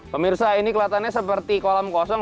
pemirsa ini kelihatannya seperti kolam kosong